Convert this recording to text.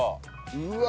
うわ！